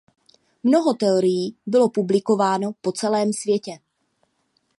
Mnoho teorií bylo publikováno po celém světě.